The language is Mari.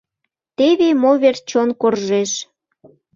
Теве мо верч чон коржеш!